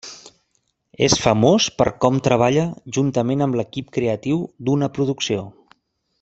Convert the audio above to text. És famós per com treballa juntament amb l'equip creatiu d'una producció.